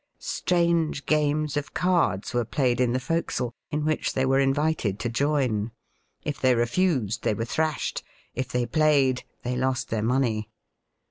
Strange games of cards were played in the forecastle, in which they were invited to join. If they refused, they were thrashed ; if they played, they lost their money.